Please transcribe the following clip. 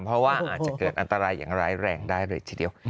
เพราะว่าอาจจะเกิดอันตรายอย่างร้ายแรงได้เลยทีเดียว